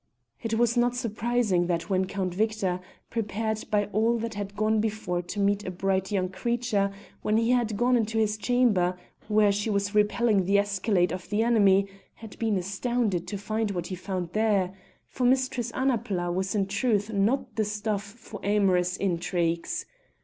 It was not surprising that when Count Victor, prepared by all that had gone before to meet a bright young creature when he had gone into his chamber where she was repelling the escalade of the enemy, had been astounded to find what he found there, for Mistress Annapla was in truth not the stuff for amorous intrigues.